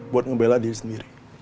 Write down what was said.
buat ngebela diri sendiri